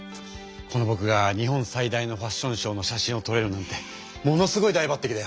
このぼくがにほん最大のファッションショーの写真をとれるなんてものすごいだいばってきだよ！